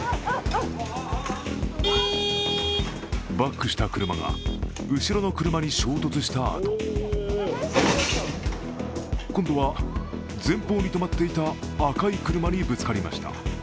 バックした車が後ろの車に衝突したあと今度は、前方に止まっていた赤い車にぶつかりました。